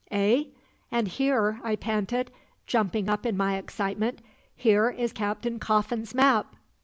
"Eh?" "And here," I panted, jumping up in my excitement, "here is Captain Coffin's map!"